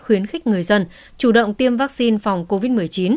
khuyến khích người dân chủ động tiêm vaccine phòng covid một mươi chín